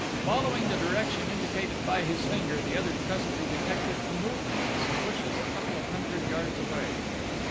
Following the direction indicated by his finger, the others presently detected a movement in some bushes a couple of hundred yards away.